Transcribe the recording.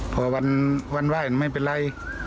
พอวันไหว้ไม่เป็นไร